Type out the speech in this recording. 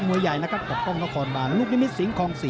มือใหญ่กับทรงท้องคอนบาร์ลุทธิมิตสิงคลอง๔